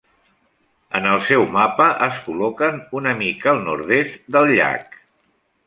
En el seu mapa es col·loquen una mica al nord-est del llac.